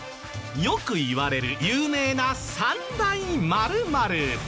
よく言われる有名な３大○○。